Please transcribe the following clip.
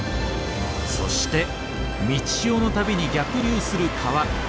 そして満ち潮の度に逆流する川。